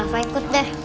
rafa ikut deh